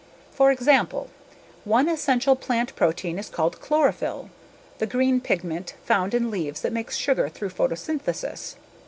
For example, one essential plant protein is called chlorophyll, the green pigment found in leaves that makes sugar through photosynthesis.